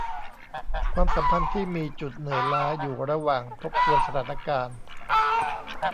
ความสัมพันธ์ที่มีจุดเหนื่อยล้าอยู่ระหว่างทบทวนสถานการณ์